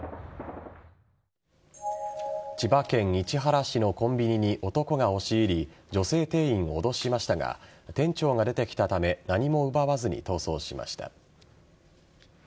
千葉県市原市のコンビニに男が押し入り女性店員を脅しましたが店長が出てきたため何も奪わずに逃走しました。